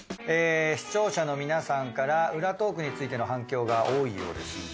視聴者の皆さんから裏トークについての反響が多いようです。